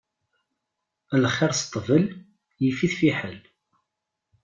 Lxiṛ s ṭṭbel, yif-it fiḥel.